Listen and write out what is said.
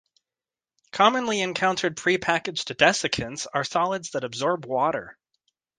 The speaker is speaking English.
Commonly encountered pre-packaged desiccants are solids that absorb water.